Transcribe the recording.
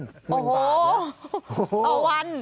หมื่นบาท